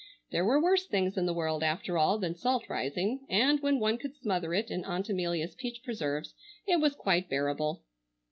There were worse things in the world, after all, than salt rising, and, when one could smother it in Aunt Amelia's peach preserves, it was quite bearable.